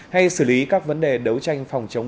hay xử lý các vấn đề đấu tranh phòng chống